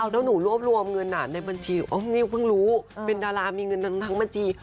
แล้วหนูรวบรวมเงินในบัญชีนี่เพิ่งรู้เป็นดารามีเงินทั้งบัญชี